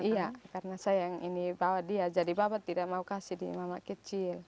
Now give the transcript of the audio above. iya karena saya yang ini bawa dia jadi bapak tidak mau kasih di mama kecil